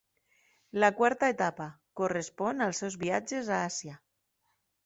La quarta etapa: correspon als seus viatges a Àsia.